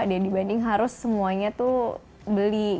dibanding harus semuanya tuh beli